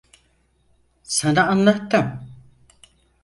Sana anlattım.